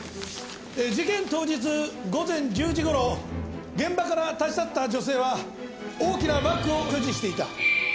事件当日午前１０時頃現場から立ち去った女性は大きなバッグを所持していた。